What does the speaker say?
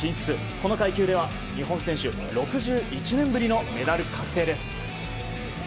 この階級では日本選手、６１年ぶりのメダル確定です。